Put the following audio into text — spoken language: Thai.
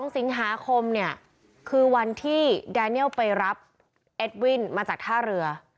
๒สิงหาคมเนี่ยคือวันที่แดเนียลไปรับเอ็ดวินมาจากท่าเรือ